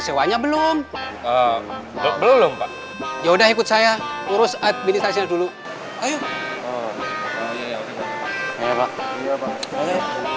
sewanya belum belum pak yaudah ikut saya urus administrasi dulu ayo ayo pak